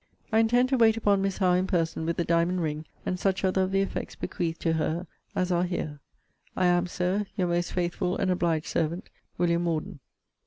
I intend to wait upon Miss Howe in person with the diamond ring, and such other of the effects bequeathed to her as are here. I am, Sir, Your most faithful and obliged servant, WM. MORDEN.